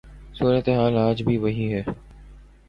صورت حال آج بھی وہی ہے۔